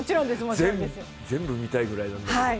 全部見たいぐらいなんだけど。